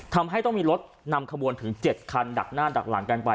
ทำให้ต้องมีรถนำขบวนถึง๗คันดักหน้าดักหลังกันไป